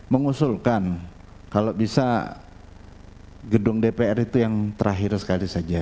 mengusulkan kalau bisa gedung dpr itu yang terakhir sekali saja